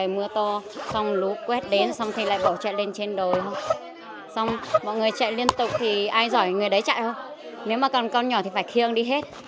mọi người chạy liên tục thì ai giỏi người đấy chạy không nếu mà còn con nhỏ thì phải khiêng đi hết